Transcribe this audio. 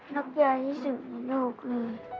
รักยายที่สุดนะลูก